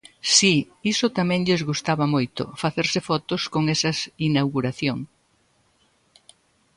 Si, iso tamén lles gustaba moito, facerse fotos con esas inauguración.